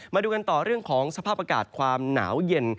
มาดูกันต่อเรื่องของสภาพอากาศความหนาวเย็น